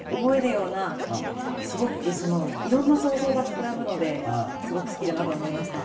すごくいろんな想像が膨らむのですごく好きだなと思いました。